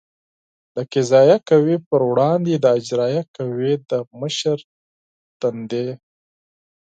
د قضایه قوې پر وړاندې د اجرایه قوې د مشر دندې